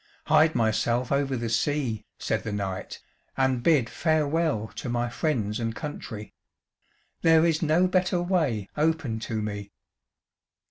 "Hide myself over the sea," said the knight, "and bid farewell to my friends and country. There is no better way open to me."